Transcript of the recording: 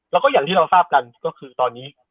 แล้วก็อย่างที่เราทราบกันก็คือตอนนี้